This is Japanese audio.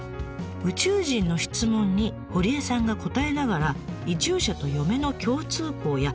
宇宙人の質問に堀江さんが答えながら移住者と嫁の共通項や違いを説明。